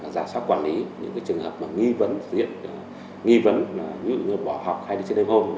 giả sát quản lý những trường hợp nghi vấn diễn nghi vấn như bỏ học hay đi trên đêm hôm